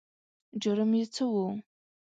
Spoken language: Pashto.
جرم یې څه و؟